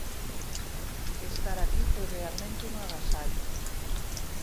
Estar aquí foi realmente un agasallo.